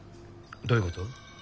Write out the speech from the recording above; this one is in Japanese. どういうこと？